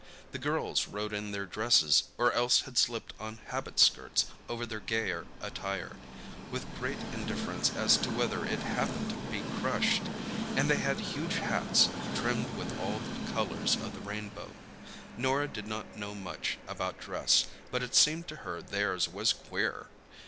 The girls rode in their dresses, or else had slipped on habit skirts over their gayer attire, with great indifference as to whether it happened to be crushed, and they had huge hats, trimmed with all the colours of the rainbow. Norah did not know much about dress, but it seemed to her theirs was queer.